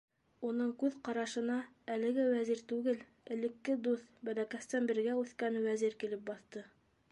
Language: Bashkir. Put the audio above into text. Уның күҙ ҡарашына әлеге Вәзир түгел, элекке дуҫ, бәләкәстән бергә үҫкән Вәзир килеп баҫты.